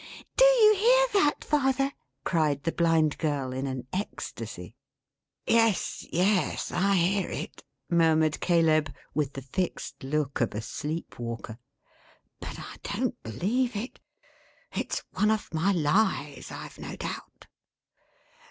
"Do you hear that, father!" cried the Blind Girl in an ecstacy. "Yes, yes, I hear it," murmured Caleb, with the fixed look of a sleep walker; "but I don't believe it. It's one of my lies, I've no doubt."